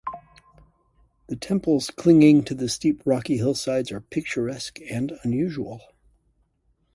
The temples clinging to the steep rocky hillsides are picturesque and unusual.